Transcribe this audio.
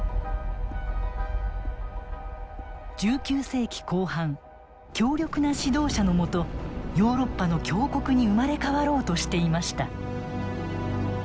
１９世紀後半強力な指導者のもとヨーロッパの強国に生まれ変わろうとしていました。